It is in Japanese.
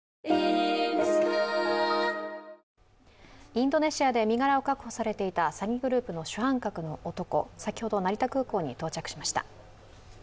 インドネシアで身柄を確保されていた詐欺グループの主犯格の男、先ほど成田空港に到着しました。